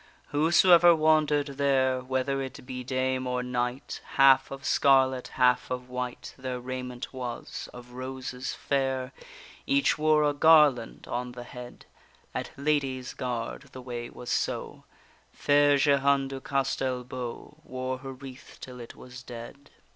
Whosoever wander'd there, Whether it be dame or knight, Half of scarlet, half of white Their raiment was; of roses fair Each wore a garland on the head, At Ladies' Gard the way was so: Fair Jehane du Castel beau Wore her wreath till it was dead.